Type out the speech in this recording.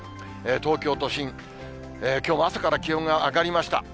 東京都心、きょうも朝から気温が上がりました。